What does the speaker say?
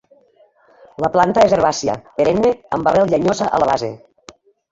La planta és herbàcia, perenne, amb arrel llenyosa a la base.